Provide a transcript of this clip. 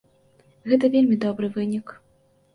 Гэта вельмі добры вынік.